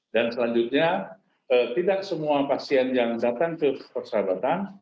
dan selanjutnya tidak semua pasien yang datang ke persahabatan